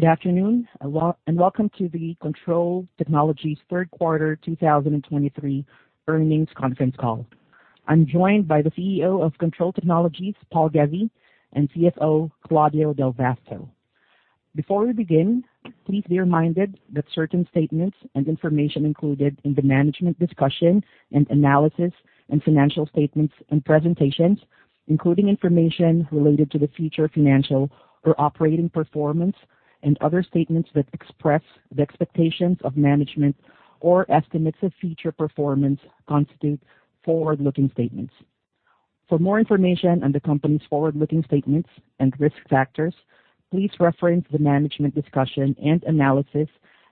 Good afternoon, and welcome to the Kontrol Technologies Third Quarter 2023 Earnings Conference Call. I'm joined by the CEO of Kontrol Technologies, Paul Ghezzi, and CFO, Claudio Del Vasto. Before we begin, please be reminded that certain statements and information included in the management discussion and analysis, financial statements, and presentations, including information related to future financial or operating performance and other statements that express the expectations of management or estimates of future performance, constitute forward-looking statements. For more information on the company's forward-looking statements and risk factors, please reference the management discussion and analysis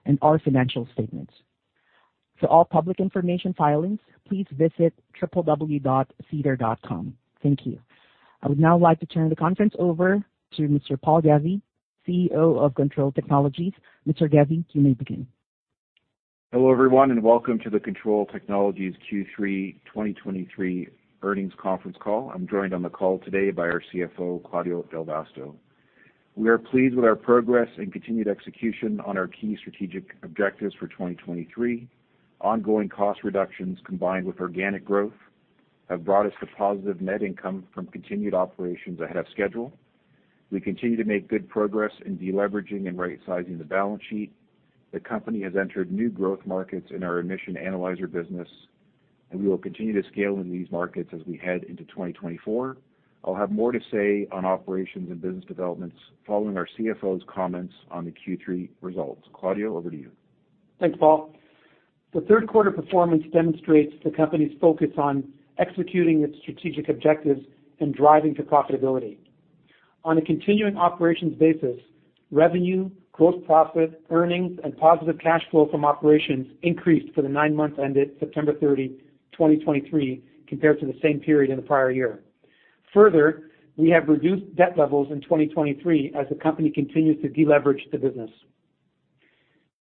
and our financial statements. For all public information filings, please visit www.sedar.com. Thank you. I would now like to turn the conference over to Mr. Paul Ghezzi, CEO of Kontrol Technologies. Mr. Ghezzi, you may begin. Hello, everyone, and welcome to the Kontrol Technologies Q3 2023 Earnings Conference Call. I'm joined on the call today by our CFO, Claudio Del Vasto. We are pleased with our progress and continued execution on our key strategic objectives for 2023. Ongoing cost reductions, combined with organic growth, have brought us to positive net income from continued operations ahead of schedule. We continue to make good progress in deleveraging and rightsizing the balance sheet. The company has entered new growth markets in our emission analyzer business, and we will continue to scale in these markets as we head into 2024. I'll have more to say on operations and business developments following our CFO's comments on the Q3 results. Claudio, over to you. Thanks, Paul. The third quarter performance demonstrates the company's focus on executing its strategic objectives and driving to profitability. On a continuing operations basis, revenue, gross profit, earnings, and positive cash flow from operations increased for the nine months ended September 30, 2023, compared to the same period in the prior year. Further, we have reduced debt levels in 2023 as the company continues to deleverage the business.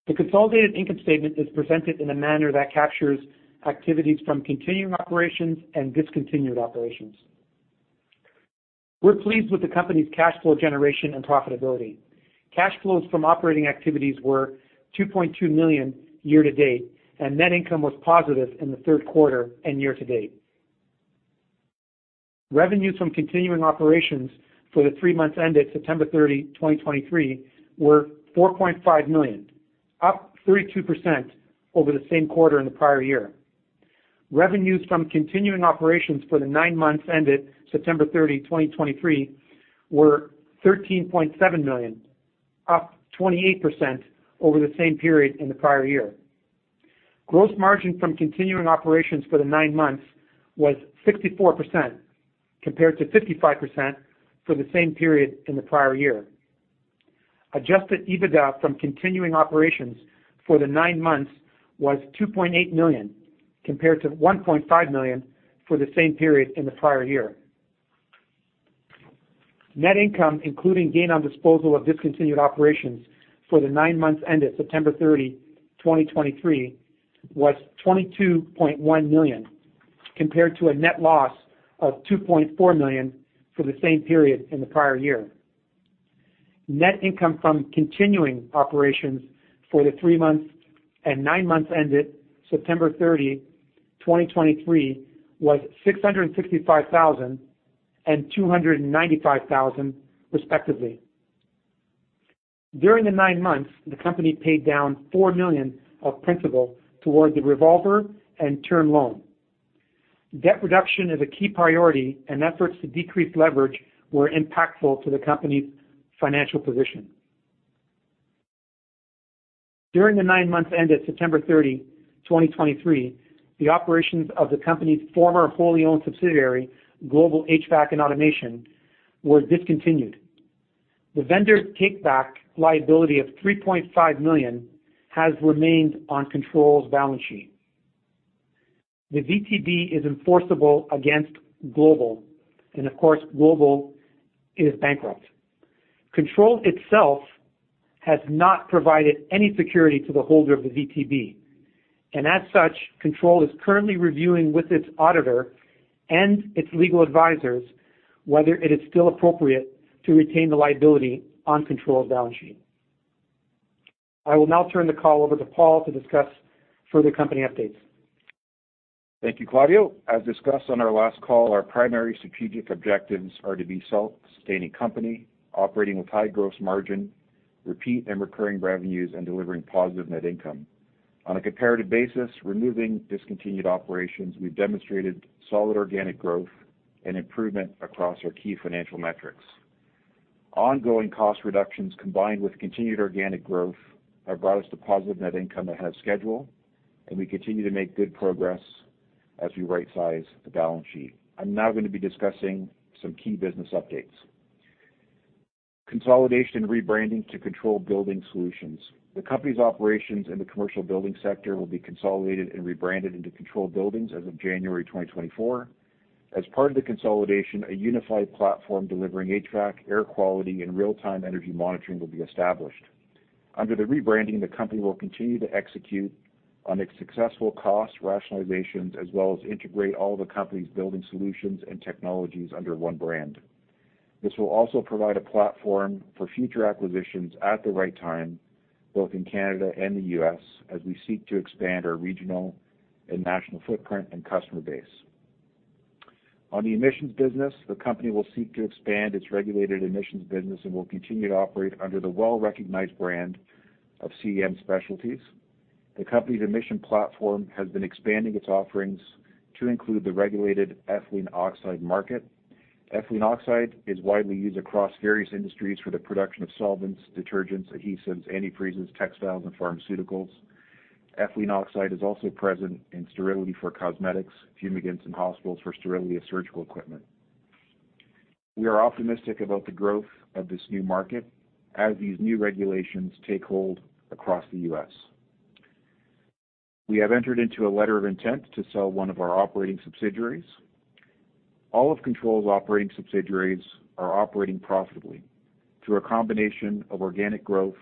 The consolidated income statement is presented in a manner that captures activities from continuing operations and discontinued operations. We're pleased with the company's cash flow generation and profitability. Cash flows from operating activities were 2.2 million year to date, and net income was positive in the third quarter and year to date. Revenues from continuing operations for the three months ended September 30, 2023, were 4.5 million, up 32% over the same quarter in the prior year. Revenues from continuing operations for the nine months ended September 30, 2023, were 13.7 million, up 28% over the same period in the prior year. Gross margin from continuing operations for the nine months was 64%, compared to 55% for the same period in the prior year. Adjusted EBITDA from continuing operations for the nine months was 2.8 million, compared to 1.5 million for the same period in the prior year. Net income, including gain on disposal of discontinued operations for the nine months ended September 30, 2023, was 22.1 million, compared to a net loss of 2.4 million for the same period in the prior year. Net income from continuing operations for the three months and nine months ended September 30, 2023, was 665 thousand and 295 thousand, respectively. During the nine months, the company paid down 4 million of principal toward the revolver and term loan. Debt reduction is a key priority, and efforts to decrease leverage were impactful to the company's financial position. During the nine months ended September 30, 2023, the operations of the company's former wholly owned subsidiary, Global HVAC & Automation, were discontinued. The vendor take-back liability of 3.5 million has remained on Kontrol's balance sheet. The VTB is enforceable against Global, and of course, Global is bankrupt. Kontrol itself has not provided any security to the holder of the VTB, and as such, Kontrol is currently reviewing with its auditor and its legal advisors whether it is still appropriate to retain the liability on Kontrol's balance sheet. I will now turn the call over to Paul to discuss further company updates. Thank you, Claudio. As discussed on our last call, our primary strategic objectives are to be a self-sustaining company, operating with high gross margin, repeat and recurring revenues, and delivering positive net income. On a comparative basis, removing discontinued operations, we've demonstrated solid organic growth and improvement across our key financial metrics. Ongoing cost reductions, combined with continued organic growth, have brought us to positive net income ahead of schedule, and we continue to make good progress as we rightsize the balance sheet. I'm now going to be discussing some key business updates. Consolidation and rebranding to Kontrol Building Solutions. The company's operations in the commercial building sector will be consolidated and rebranded into Kontrol Building Solutions as of January 2024. As part of the consolidation, a unified platform delivering HVAC, air quality, and real-time energy monitoring will be established. Under the rebranding, the company will continue to execute on its successful cost rationalizations, as well as integrate all the company's building solutions and technologies under one brand. This will also provide a platform for future acquisitions at the right time, both in Canada and the U.S., as we seek to expand our regional and national footprint and customer base. On the emissions business, the company will seek to expand its regulated emissions business and will continue to operate under the well-recognized brand of CEM Specialties. The company's emission platform has been expanding its offerings to include the regulated Ethylene Oxide market. Ethylene Oxide is widely used across various industries for the production of solvents, detergents, adhesives, antifreezes, textiles, and pharmaceuticals. Ethylene Oxide is also present in sterility for cosmetics, fumigants in hospitals for sterility of surgical equipment. We are optimistic about the growth of this new market as these new regulations take hold across the U.S. We have entered into a letter of intent to sell one of our operating subsidiaries. All of Kontrol's operating subsidiaries are operating profitably. Through a combination of organic growth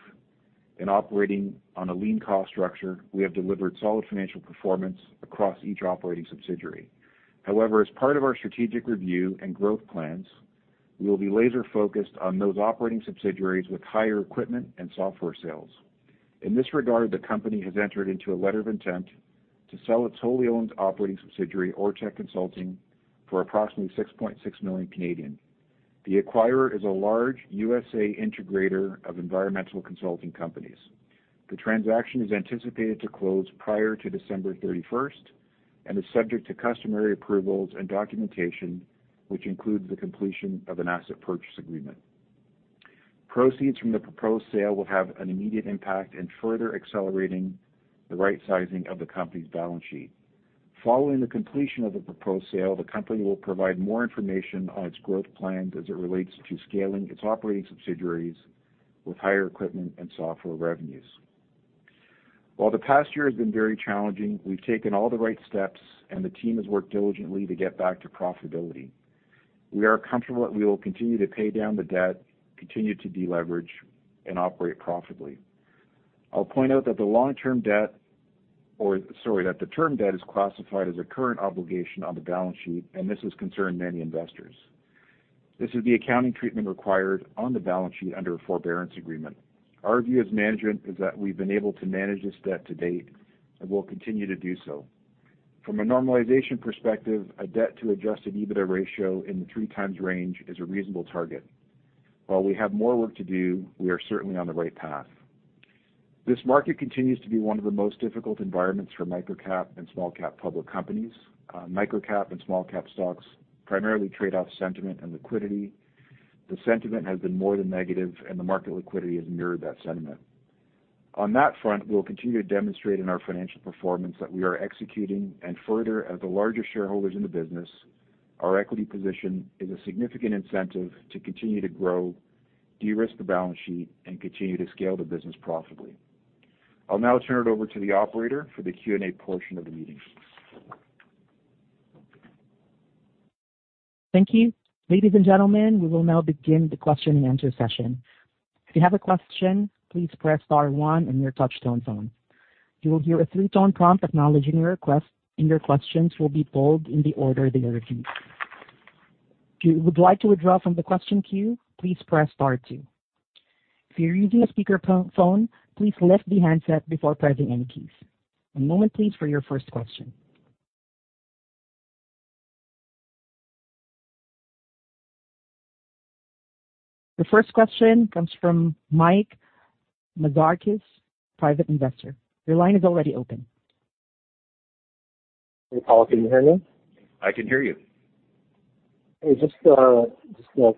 and operating on a lean cost structure, we have delivered solid financial performance across each operating subsidiary. However, as part of our strategic review and growth plans, we will be laser-focused on those operating subsidiaries with higher equipment and software sales. In this regard, the company has entered into a letter of intent to sell its wholly owned operating subsidiary, ORTECH Consulting, for approximately 6.6 million. The acquirer is a large USA integrator of environmental consulting companies. The transaction is anticipated to close prior to December 31st and is subject to customary approvals and documentation, which includes the completion of an asset purchase agreement. Proceeds from the proposed sale will have an immediate impact in further accelerating the right sizing of the company's balance sheet. Following the completion of the proposed sale, the company will provide more information on its growth plans as it relates to scaling its operating subsidiaries with higher equipment and software revenues. While the past year has been very challenging, we've taken all the right steps, and the team has worked diligently to get back to profitability. We are comfortable that we will continue to pay down the debt, continue to deleverage, and operate profitably. I'll point out that the long-term debt or, sorry, that the term debt is classified as a current obligation on the balance sheet, and this has concerned many investors. This is the accounting treatment required on the balance sheet under a Forbearance Agreement. Our view as management is that we've been able to manage this debt to date and will continue to do so. From a normalization perspective, a debt to Adjusted EBITDA ratio in the 3x range is a reasonable target. While we have more work to do, we are certainly on the right path. This market continues to be one of the most difficult environments for microcap and small-cap public companies. Microcap and small-cap stocks primarily trade off sentiment and liquidity. The sentiment has been more than negative, and the market liquidity has mirrored that sentiment. On that front, we'll continue to demonstrate in our financial performance that we are executing, and further, as the largest shareholders in the business, our equity position is a significant incentive to continue to grow, de-risk the balance sheet, and continue to scale the business profitably. I'll now turn it over to the operator for the Q&A portion of the meeting. Thank you. Ladies and gentlemen, we will now begin the question-and-answer session. If you have a question, please press star one on your touchtone phone. You will hear a three-tone prompt acknowledging your request, and your questions will be pulled in the order they are received. If you would like to withdraw from the question queue, please press star two. If you're using a speaker phone, please lift the handset before pressing any keys. One moment please for your first question. The first question comes from Mike Mazarkis, private investor. Your line is already open. Hey, Paul, can you hear me? I can hear you. Hey, just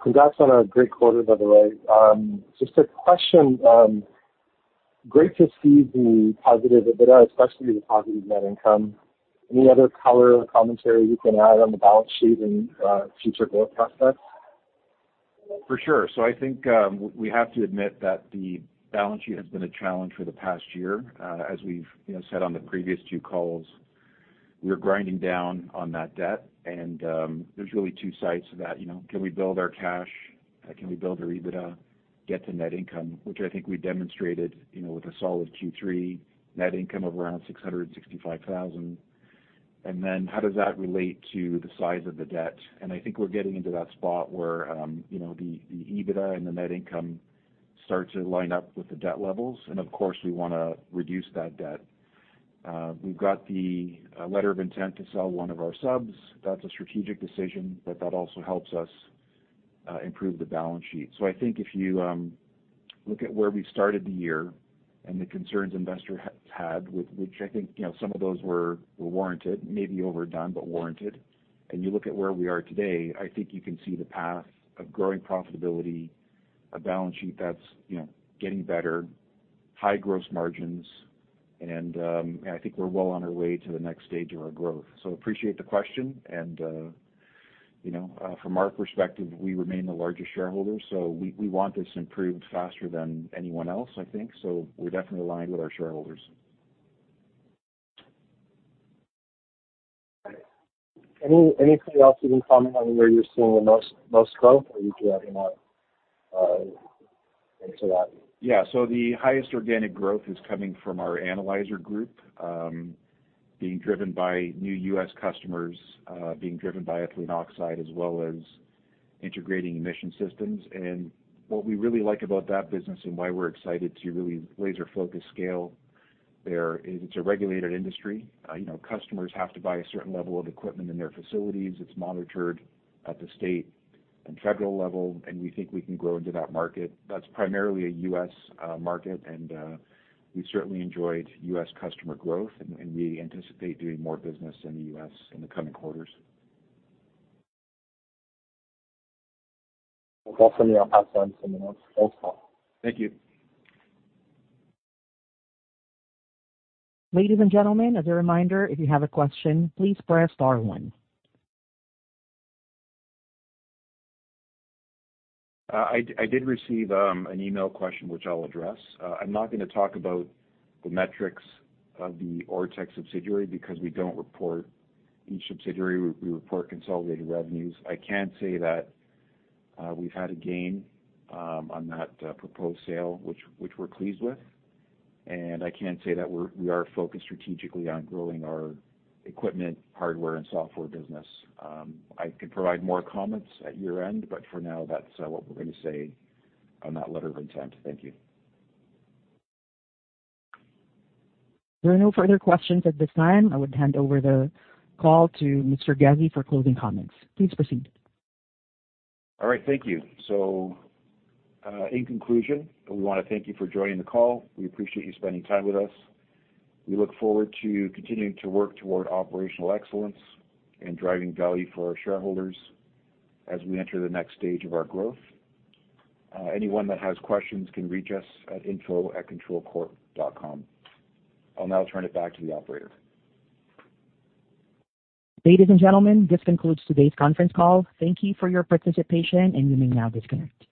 congrats on a great quarter, by the way. Just a question, great to see the positive EBITDA, especially the positive net income. Any other color or commentary you can add on the balance sheet and, future growth prospects? For sure. So I think, we have to admit that the balance sheet has been a challenge for the past year. As we've, you know, said on the previous two calls, we are grinding down on that debt, and there's really two sides to that. You know, can we build our cash? Can we build our EBITDA, get to net income, which I think we demonstrated, you know, with a solid Q3 net income of around 665,000. And then how does that relate to the size of the debt? And I think we're getting into that spot where, you know, the EBITDA and the net income start to line up with the debt levels. And of course, we wanna reduce that debt. We've got the letter of intent to sell one of our subs. That's a strategic decision, but that also helps us improve the balance sheet. So I think if you look at where we started the year and the concerns investors had, which I think, you know, some of those were warranted, maybe overdone, but warranted, and you look at where we are today, I think you can see the path of growing profitability, a balance sheet that's, you know, getting better, high gross margins, and I think we're well on our way to the next stage of our growth. So appreciate the question, and you know, from our perspective, we remain the largest shareholder, so we want this improved faster than anyone else, I think. So we're definitely aligned with our shareholders. Anybody else you can comment on where you're seeing the most growth, or you two adding on into that? Yeah. So the highest organic growth is coming from our analyzer group, being driven by new U.S. customers, being driven by Ethylene Oxide, as well as integrating emission systems. And what we really like about that business and why we're excited to really laser-focus scale there is it's a regulated industry. You know, customers have to buy a certain level of equipment in their facilities. It's monitored at the state and federal level, and we think we can grow into that market. That's primarily a U.S. market, and we've certainly enjoyed U.S. customer growth, and we anticipate doing more business in the U.S. in the coming quarters. Well, definitely, I'll pass on some notes. Thanks a lot. Thank you. Ladies and gentlemen, as a reminder, if you have a question, please press star one. I did receive an email question, which I'll address. I'm not gonna talk about the metrics of the ORTECH subsidiary because we don't report each subsidiary. We report consolidated revenues. I can say that we've had a gain on that proposed sale, which we're pleased with. And I can say that we are focused strategically on growing our equipment, hardware, and software business. I can provide more comments at year-end, but for now, that's what we're gonna say on that letter of intent. Thank you. There are no further questions at this time. I would hand over the call to Mr. Ghezzi for closing comments. Please proceed. All right, thank you. So, in conclusion, we wanna thank you for joining the call. We appreciate you spending time with us. We look forward to continuing to work toward operational excellence and driving value for our shareholders as we enter the next stage of our growth. Anyone that has questions can reach us at info@kontrolcorp.com. I'll now turn it back to the operator. Ladies and gentlemen, this concludes today's conference call. Thank you for your participation, and you may now disconnect.